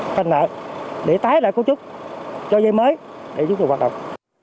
thanh nợ để tái lại cấu trúc cho dây mới để giúp người hoạt động